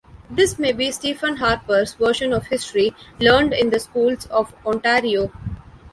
This may be Stephen Harper's version of history, learned in the schools of Ontario.